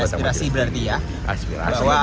oke ada aspirasi berarti ya